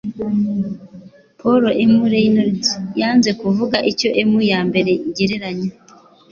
Paul M Reynolds yanze kuvuga icyo "M" yambere igereranya